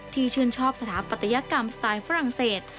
ชื่นชอบสถาปัตยกรรมสไตล์ฝรั่งเศส